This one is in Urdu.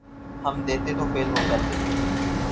ہم دیتے تو فیل ہو جاتے